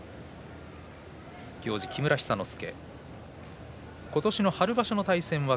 行司、木村寿之介。